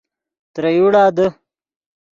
ترے یوڑا دے